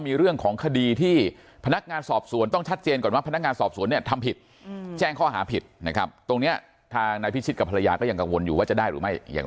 ไม่พิชิตกับภรรยาก็ยังกังวลอยู่ว่าจะได้หรือไม่อย่าง